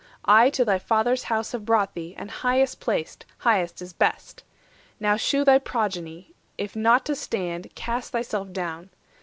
I to thy Father's house Have brought thee, and highest placed: highest is best. Now shew thy progeny; if not to stand, Cast thyself down.